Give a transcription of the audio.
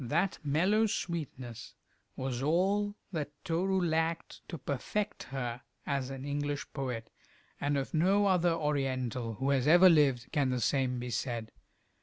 That mellow sweetness was all that Toru lacked to perfect her as an English poet, and of no other Oriental who has ever lived can the same be said.